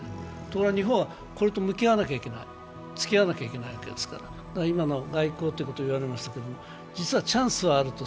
ところが、日本はこれと向き合わなきゃいけない、つきあわなきゃいけないわけですから外交ということ言われましたけど実はチャンスはあると。